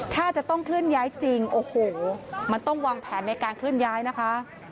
ถ้าจะต้องเคลื่อนย้ายจริงโอ้โหมันต้องวางแผนในการเคลื่อนย้ายนะคะ